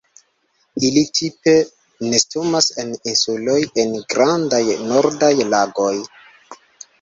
Ili tipe nestumas en insuloj en grandaj nordaj lagoj.